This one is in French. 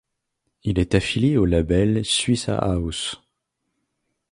Il est affilié au label Swishahouse.